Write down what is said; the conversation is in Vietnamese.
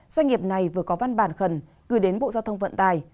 doanh nghiệp này vừa có văn bản khẩn gửi đến bộ giao thông vận tài